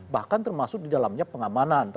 bahkan termasuk di dalamnya pengamanan